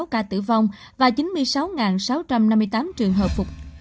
bốn sáu trăm ba mươi sáu ca tử vong và chín mươi sáu sáu trăm năm mươi tám trường hợp phục